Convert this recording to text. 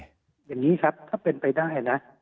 อย่างนี้ครับถ้าเป็นไปได้นะ